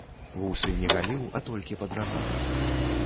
Вусы не галіў, а толькі падразаў.